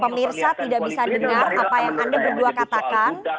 pemirsa tidak bisa dengar apa yang anda berdua katakan